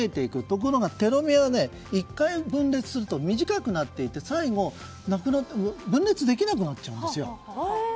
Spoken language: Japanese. ところがテロメアは１回分裂すると短くなっていって最後、なくなって分裂できなくなっちゃうんですよ。